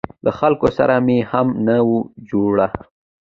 له خلکو سره مې هم نه وه جوړه.